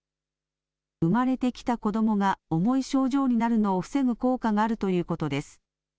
生まれてきた子どもが重い症状になるのを防ぐ効果があるということです。